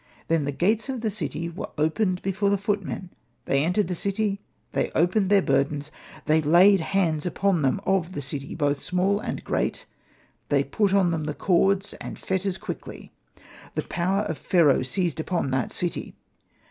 Then the gates ot the city were opened before the footmen : they entered the city, they opened their burdens, they laid hands on them of the city, both small and great, they put on them the cords and fetters quickly ; the power of Pharaoh seized upon that city.